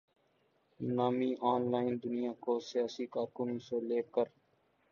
نامی online دنیا کو سیاسی کارکنوں سے لے کر